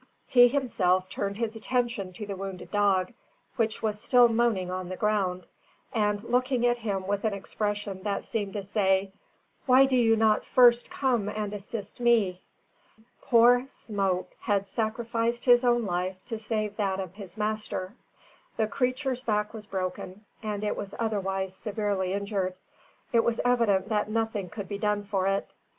He himself turned his attention to the wounded dog, which was still moaning on the ground, and looking at him with an expression that seemed to say, "Why do you not first come and assist me." Poor Smoke had sacrificed his own life to save that of his master. The creature's back was broken, and it was otherwise severely injured. It was evident that nothing could be done for it.